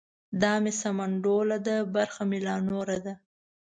دا مې سمنډوله ده برخه مې لا نوره ده.